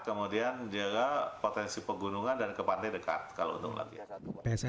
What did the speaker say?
ke gunungan dan ke pantai dekat